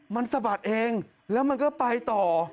มันสะบัดเองแล้วมันก็ไปต่อ